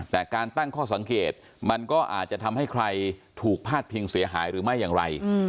แต่การตั้งข้อสังเกตมันก็อาจจะทำให้ใครถูกพาดพิงเสียหายหรือไม่อย่างไร